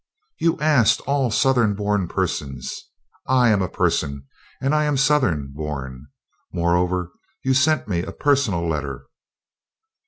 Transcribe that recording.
"You asked all Southern born persons. I am a person and I am Southern born. Moreover, you sent me a personal letter."